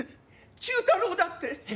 忠太郎だって？